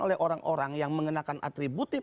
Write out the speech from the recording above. oleh orang orang yang mengenakan atributif